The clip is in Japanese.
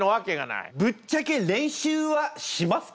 ぶっちゃけ練習はしますか？